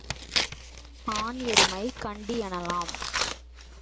ஆண் எருமையைக் கண்டி எனலாம்.